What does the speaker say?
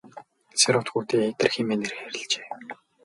Сэр-Од хүүдээ Идэр хэмээн нэр хайрлажээ.